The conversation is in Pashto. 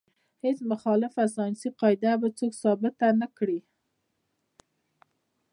هیڅ مخالفه ساینسي قاعده به څوک ثابته نه کړي.